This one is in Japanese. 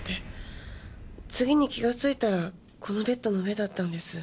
次に気がついたらこのベッドの上だったんです。